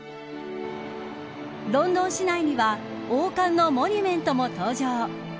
ロンドン市内には王冠のモニュメントも登場。